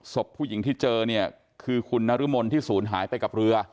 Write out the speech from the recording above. ศพผู้หญิงที่เจอเนี่ยคือคุณนรมนที่ศูนย์หายไปกับเรือ